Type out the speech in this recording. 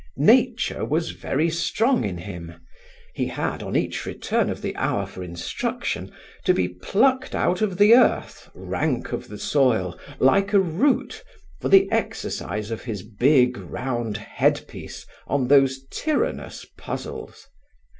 Nature was very strong in him. He had, on each return of the hour for instruction, to be plucked out of the earth, rank of the soil, like a root, for the exercise of his big round headpiece on those tyrannous puzzles.